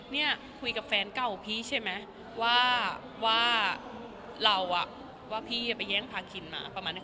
เนี่ยคุยกับแฟนเก่าพี่ใช่ไหมว่าเราว่าพี่ไปแย่งพาคินมาประมาณนี้